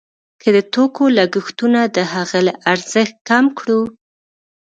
که د توکو لګښتونه د هغه له ارزښت کم کړو